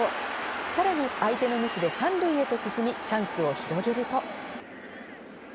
さらに相手のミスで３塁へと進みチャンスを広げると。